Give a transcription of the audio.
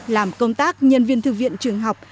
làm công tác nhân viên thư viện trường học